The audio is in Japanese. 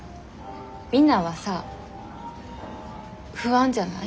みんなはさ不安じゃない？